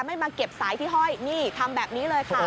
ไม่มาเก็บสายที่ห้อยนี่ทำแบบนี้เลยค่ะ